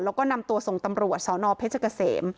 แล้วก็นำตัวส่งตำรวจสนเพชรเกษม